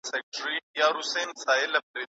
که علم په پښتو وي، نو پوهه ارزښت لري.